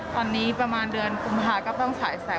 ตอนนี้ประมาณเดือนภูมิภาคก็ต้องช้าไอแสง